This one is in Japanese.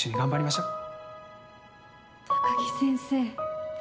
高木先生。